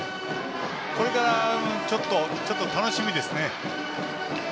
これから楽しみですね。